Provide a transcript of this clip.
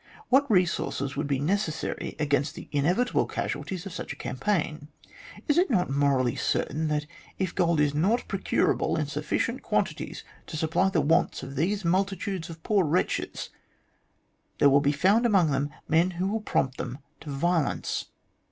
What resources would be necessary against the inevitable casualties of such a campaign ? Is it not morally certain that, if gold is not procurable in sufficient quantities to supply the wants of these multitudes of poor wretches, there will be found among them men who will prompt them to violence